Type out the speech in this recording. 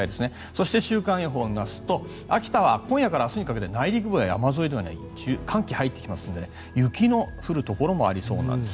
そして、週間予報を見ますと秋田は今夜から明日にかけて内陸部や山沿いでは寒気が入ってきますので雪の降るところもありそうなんです。